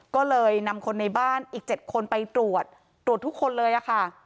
ก็เลยนำคนในบ้านอีก๗คนไปตรวจตรวจทุกคนเลยค่ะ